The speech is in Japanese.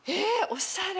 おしゃれ。